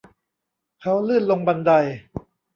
เขาลื่นลงบันได